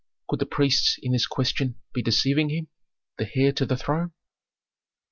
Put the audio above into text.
Could the priests in this question be deceiving him, the heir to the throne?